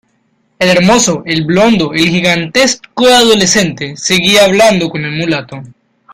el hermoso, el blondo , el gigantesco adolescente , seguía hablando con el mulato